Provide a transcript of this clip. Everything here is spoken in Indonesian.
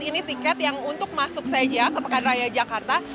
ini tiket yang untuk masuk saja ke pekan raya jakarta